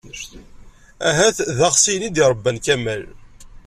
Ahat d aɣsiyen i d-iṛebban Kamal.